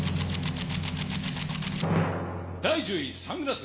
第１０位、サングラス。